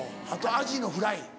あとアジのフライ。